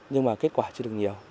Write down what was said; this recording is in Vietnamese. nhưng mà kết quả chưa được nhiều